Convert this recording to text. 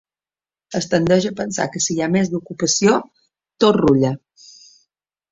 Es tendeix a pensar que si hi ha més ocupació, tot rutlla.